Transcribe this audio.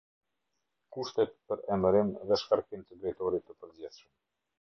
Kushtet për emërim dhe shkarkim të Drejtorit të Përgjithshëm.